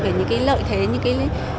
về những cái lợi thế những cái